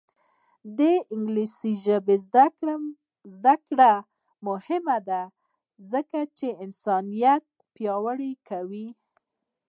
د انګلیسي ژبې زده کړه مهمه ده ځکه چې انسانیت پیاوړی کوي.